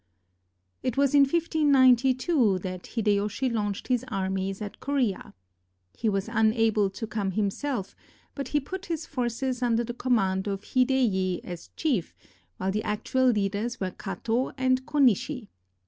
It was in 1592 that Hideyoshi launched his armies at Korea. He was unable to come himself, but he put his forces under the command of Hideyi as chief, while the actual leaders were Kato and Konishi.